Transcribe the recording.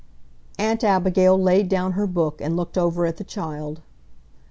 ] Aunt Abigail laid down her book and looked over at the child.